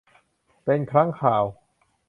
เป็นครั้งคราว